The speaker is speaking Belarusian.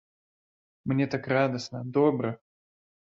Мне так радасна, добра.